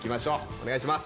お願いします。